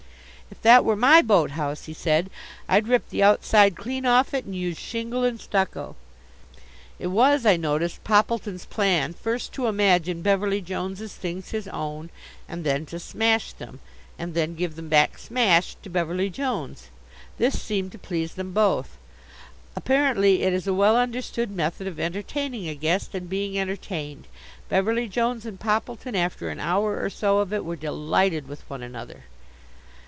"If that were my boat house," he said, "I'd rip the outside clean off it and use shingle and stucco." It was, I noticed, Poppleton's plan first to imagine Beverly Jones's things his own, and then to smash them, and then give them back smashed to Beverly Jones. This seemed to please them both. Apparently it is a well understood method of entertaining a guest and being entertained. Beverly Jones and Poppleton, after an hour or so of it, were delighted with one another.